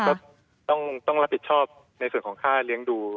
ก็ต้องรับผิดชอบในส่วนของค่าเลี้ยงดู